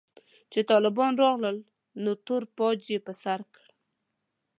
چې طالبان راغلل نو تور پاج يې پر سر کړ.